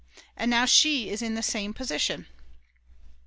And now she is in the same position.